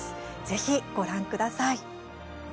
ぜひご覧ください。